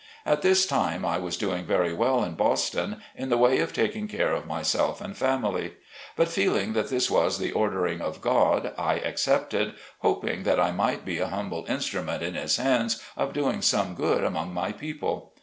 At this time I was doing very well in Boston, in the way of taking care of myself and family But feeling that this was the ordering of God, I accepted, hoping that I might be a humble instrument in His hands of doing some good among my people.